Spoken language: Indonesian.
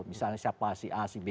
misalnya siapa si a si b